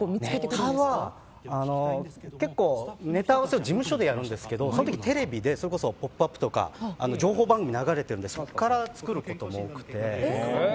ネタは結構、ネタ合わせを事務所でやるんですけどその時、テレビでそれこそ「ポップＵＰ！」とか情報番組が流れてるのでそこから作ることが多くて。